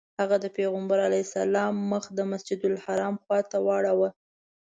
هغه د پیغمبر علیه السلام مخ د مسجدالحرام خواته واړوه.